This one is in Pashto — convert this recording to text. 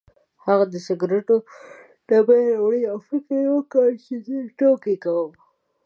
هغه د سګرټو ډبې راوړې او فکر یې وکړ چې زه ټوکې کوم.